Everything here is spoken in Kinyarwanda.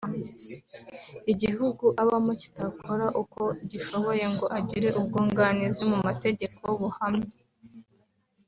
igihugu abamo kitakora uko gishoboye ngo agire ubwunganizi mu mategeko buhamye